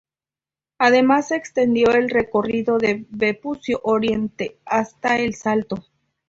Además, se extendió el recorrido de Vespucio Oriente hasta El Salto.